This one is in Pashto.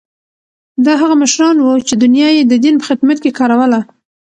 دا هغه مشران وو چې دنیا یې د دین په خدمت کې کاروله.